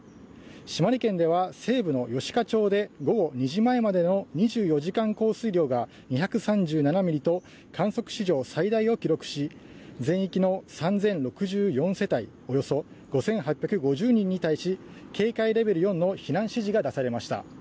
島根県では西部の吉賀町で午後２時前までの２４時間降水量が２３７ミリと観測史上最大を記録し、全域の３０６４世帯およそ５８５０人に対し警戒レベル４の避難指示が出されました。